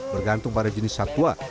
bergantung pada jenis satwa